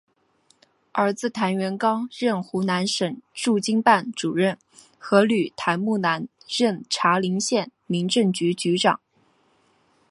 儿子谭元刚任湖南省驻京办主任和女谭木兰任茶陵县民政局局长。